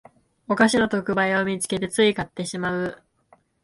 お菓子の特売を見つけてつい買ってしまう